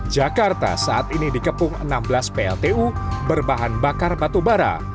jakarta saat ini dikepung enam belas pltu berbahan bakar batubara